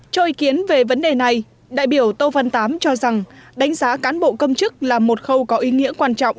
cho ý kiến về vấn đề này đại biểu tô văn tám cho rằng đánh giá cán bộ công chức là một khâu có ý nghĩa quan trọng